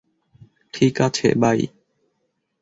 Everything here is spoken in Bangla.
ঠিক আছে, বাই।